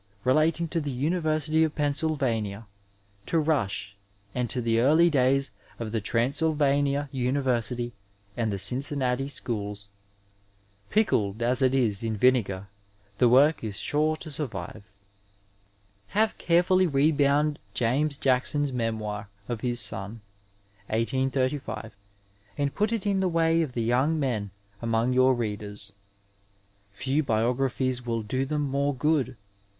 relating to the University of Pennsyl vania, to Rush and to the early days of the Transylvania University and the Cincinnati schools. Pickled, as it is, in vinegar, the work is sure to survive. Have carefully rebound James Jackson's memoir of his son (1835), and put it in the way of the young men among your readers. Few biographies will do them more good.